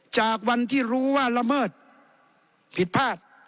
จากวันที่รู้ว่าละเมิดผิดพลาด